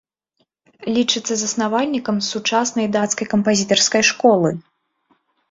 Лічыцца заснавальнікам сучаснай дацкай кампазітарскай школы.